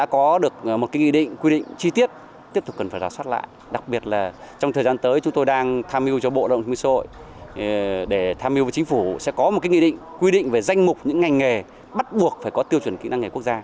có một quy định về danh mục những ngành nghề bắt buộc phải có tiêu chuẩn kỹ năng nghề quốc gia